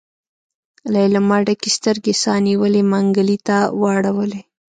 ليلما ډکې سترګې سا نيولي منګلي ته واړولې.